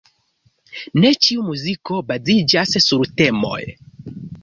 Ne ĉiu muziko baziĝas sur temoj.